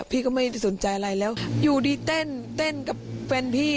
พี่ก็ไม่ได้สนใจอะไรแล้วอยู่ดีเต้นเต้นกับแฟนพี่